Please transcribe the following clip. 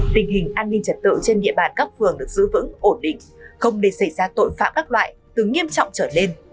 tình hình an ninh trật tự trên địa bàn các phường được giữ vững ổn định không để xảy ra tội phạm các loại từ nghiêm trọng trở lên